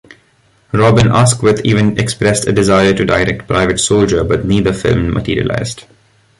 Robin Askwith even expressed a desire to direct "Private Soldier", but neither film materialised.